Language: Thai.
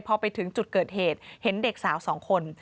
พอไปถึงจุดเกิดเหตุเห็นเด็กสาวสองคน